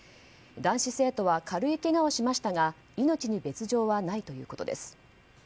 男子生徒は軽いけがをしましたが命に別条はないということです。